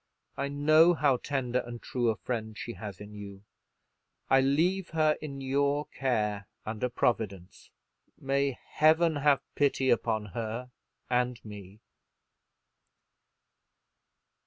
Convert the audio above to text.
"I know how tender and true a friend she has in you; I leave her in your care, under Providence. May Heaven have pity upon her and me!"